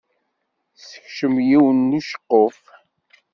Tessekcem yiwen n uceqquf.